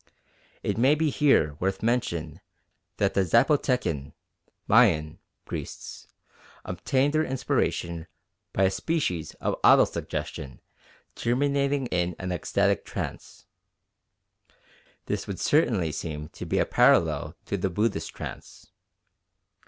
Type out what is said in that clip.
It may be here worth mention that the Zapotecan (Mayan) priests obtained their inspiration by a species of auto suggestion terminating in an ecstatic trance. This would certainly seem to be a parallel to the Buddhist trance.